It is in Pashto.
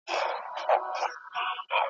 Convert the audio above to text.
وروستي منزل ته به مي پل تر کندهاره څارې ,